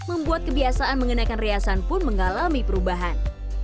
membuat kebiasaan mengenakan riasan pun mengalami perubahan